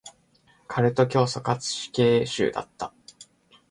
カルト教祖かつ死刑囚だった。